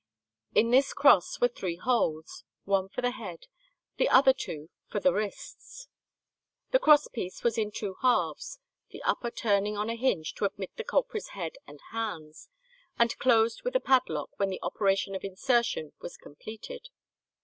In this cross were three holes, one for the head, the other two for the wrists. The cross piece was in two halves, the upper turning on a hinge to admit the culprit's head and hands, and closed with a padlock when the operation of insertion was completed.